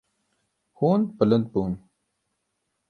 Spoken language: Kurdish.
Hûn bilind bûn.